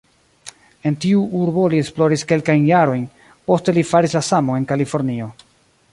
En tiu urbo li esploris kelkajn jarojn, poste li faris la samon en Kalifornio.